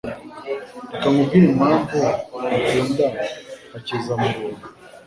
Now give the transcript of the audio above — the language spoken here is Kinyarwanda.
Reka nkubwire impamvu ntakunda Hakizamuremyi